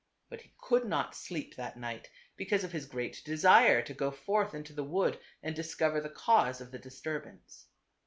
But he could not sleep that night, because of his great desire to go forth into the wood and discover the cause of the disturbance.